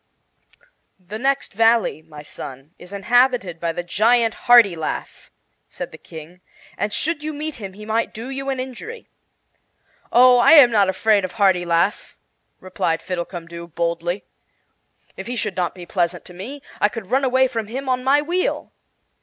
"The next valley, my son, is inhabited by the giant Hartilaf," said the King, "and should you meet him he might do you an injury." "Oh, I am not afraid of Hartilaf," replied Fiddlecumdoo, boldly. "If he should not be pleasant to me, I could run away from him on my wheel."